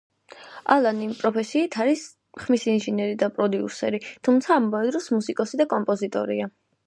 ალანი პროფესიით არის ხმის ინჟინერი და პროდიუსერი, თუმცა ამავე დროს მუსიკოსი და კომპოზიტორია.